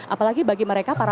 apalagi bagi mereka pak eksek